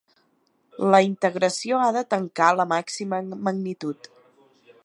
La integració ha de tancar a la màxima magnitud.